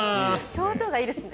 表情がいいですね。